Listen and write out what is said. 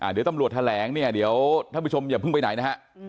เดี๋ยวตำรวจแถลงเนี่ยเดี๋ยวท่านผู้ชมอย่าเพิ่งไปไหนนะฮะ